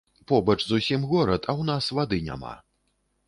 Побач зусім горад, а ў нас вады няма.